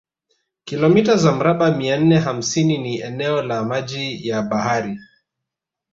kilomita za mraba mia nne hamsini ni eneo la maji ya bahari